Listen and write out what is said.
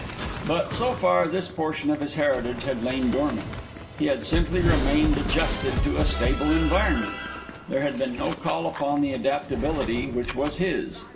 But so far this portion of his heritage had lain dormant. He had simply remained adjusted to a stable environment. There had been no call upon the adaptability which was his.